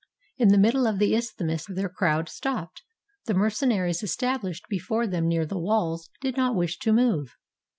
In the middle of the isthmus their crowd stopped ; the mercenaries estabHshed before them near the walls did not wish to move.